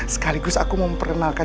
sekaligus aku mau memperkenalkan